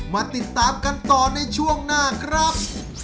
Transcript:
มาติดตามกันต่อในช่วงหน้าครับ